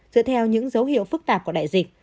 dựa theo những dấu hiệu phức tạp của đại dịch